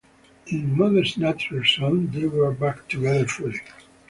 In "Mother Nature's Son", they were back together fully.